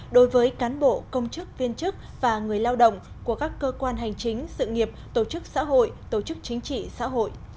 đối với cán bộ công chức viên chức và người lao động của các cơ quan hành chính sự nghiệp tổ chức xã hội tổ chức chính trị xã hội